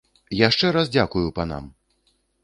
Яшчэ раз дзякую панам.